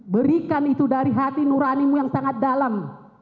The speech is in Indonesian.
berikan itu dari hati nuranimu yang sangat dalam